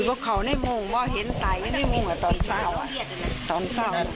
เวลาเขาที่นี่มุ่งว่าเห็นใจพี่นี่มุ่งตอนเศร้าน่ะ